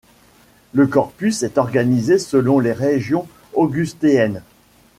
Le corpus est organisé selon les régions augustéennes.